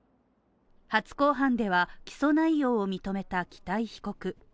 初公判では起訴内容を認めた北井被告。